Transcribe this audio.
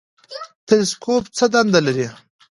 تلسکوپ څه دنده لري؟